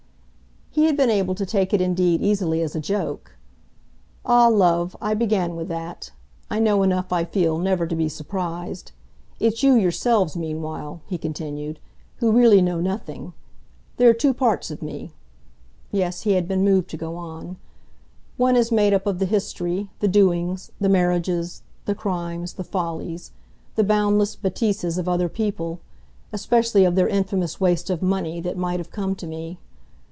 He had been able to take it indeed easily as a joke. "Ah, love, I began with that. I know enough, I feel, never to be surprised. It's you yourselves meanwhile," he continued, "who really know nothing. There are two parts of me" yes, he had been moved to go on. "One is made up of the history, the doings, the marriages, the crimes, the follies, the boundless betises of other people especially of their infamous waste of money that might have come to me.